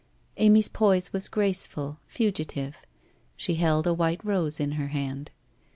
Amy's poise was graceful, fugi tive; she held a white rose in her hand.